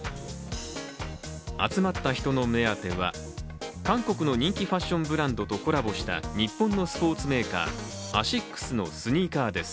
集まった人の目当ては、韓国の人気ファッションブランドとコラボした日本のスポーツメーカー、アシックスのスニーカーです。